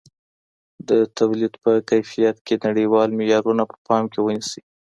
د توليد په کيفيت کي نړيوال معيارونه په پام کي ونيسئ.